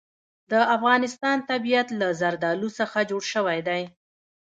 د افغانستان طبیعت له زردالو څخه جوړ شوی دی.